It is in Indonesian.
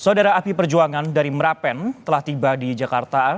saudara api perjuangan dari merapen telah tiba di jakarta